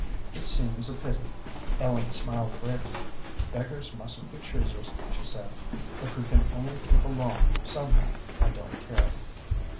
"It seems a pity." Ellen smiled bravely. "Beggars mustn't be choosers," she said. "If we can only keep along, somehow, I don't care."